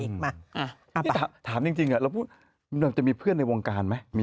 แต่ถามจริงเราพูดเราจะมีเพื่อนในวงการไหม